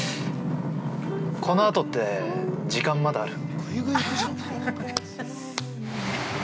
このあとって、時間まだある？